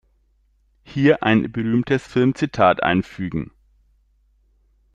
Hier ein berühmtes Filmzitat einfügen.